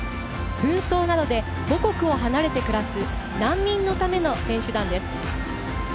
紛争などで母国を離れて暮らす難民のための選手団です。